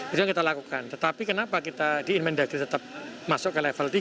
itu yang kita lakukan tetapi kenapa kita di inmen dagri tetap masuk ke level tiga